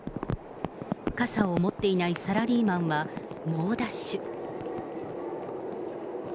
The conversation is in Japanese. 傘を持っていないサラリーマンは猛ダッシュ。